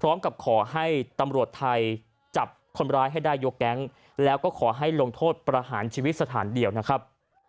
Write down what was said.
พร้อมกับขอให้ตำรวจไทยจับคนร้ายให้ได้ยกแก๊งแล้วก็ขอให้ลงโทษประหารชีวิตสถานเดียวนะครับ